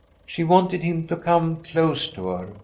She wanted him to come close to her.